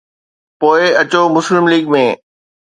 پوءِ اچو مسلم ليگ ۾.